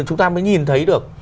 chúng ta mới nhìn thấy được